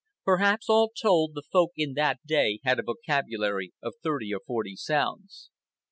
Perhaps, all told, the Folk in that day had a vocabulary of thirty or forty sounds.